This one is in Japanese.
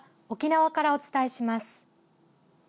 沖縄からお伝えします。